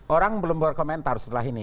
orang belum berkomentar setelah ini